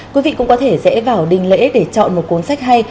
quý vị cũng có thể rẽ vào đình lễ để chọn một cuốn sách hay